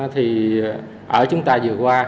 thì ở chúng ta vừa qua